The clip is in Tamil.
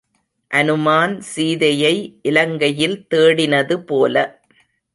அநுமான் சீதையை இலங்கையில் தேடினது போல.